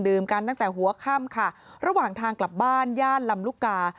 กันตั้งแต่หัวค่ำค่ะระหว่างทางกลับบ้านย่านลำลูกกา